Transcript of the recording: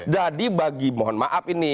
jadi bagi mohon maaf ini